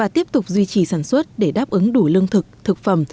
tiếp tục duy trì sản xuất để đáp ứng đủ lương thực thực phẩm